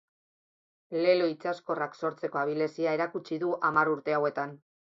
Lelo itsaskorrak sortzeko abilezia erakutsi du hamar urte hauetan.